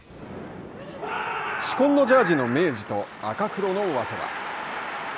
紫紺のジャージの明治と赤黒の早稲田。